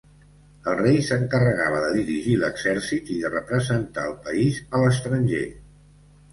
El rei s'encarregava de dirigir l'exèrcit i de representar el país a l'estranger.